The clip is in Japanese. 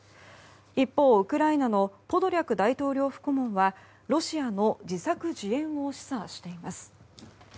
一方、ウクライナのポドリャク大統領府顧問はロシアの自作自演を示唆しています。